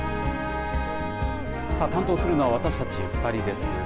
さあ、担当するのは私たち２人です。